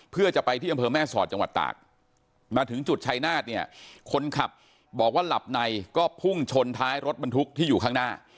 เพื่อจะไปที่อำเภอแม่สอดจังหวัดตากมาถึงจุดชัยนาธเนี่ยคนขับบอกว่าหลับในก็พุ่งชนท้ายรถบรรทุกที่อยู่ข้างหน้า